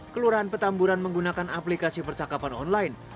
kelurahan petamburan menggunakan aplikasi percakapan online